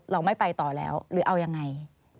เราไม่ไปต่อแล้วหรือเอายังไง